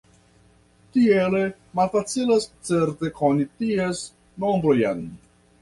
Tiele malfacilas certe koni ties nombrojn.